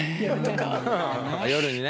夜にね。